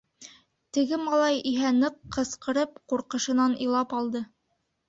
Теге малай иһә ныҡ ҡысҡырып, ҡурҡышынан илап ҡалды.